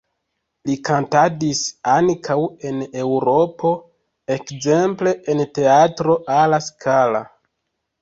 Li kantadis ankaŭ en Eŭropo, ekzemple en Teatro alla Scala.